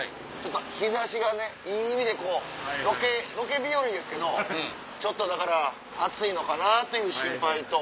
日差しがねいい意味でこうロケ日和ですけどちょっとだから暑いのかなっていう心配と。